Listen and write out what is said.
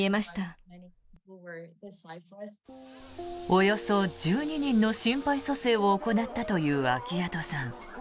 およそ１２人の心肺蘇生を行ったというアキヤトさん。